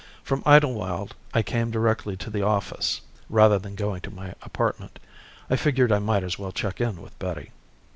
From Idlewild, I came directly to the office rather than going to my apartment. I figured I might as well check in with Betty.